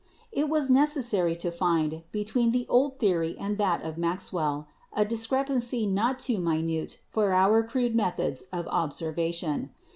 "It was necessary to find, between the old theory and that of Maxwell, a discrepancy not too minute for our crude methods of observation.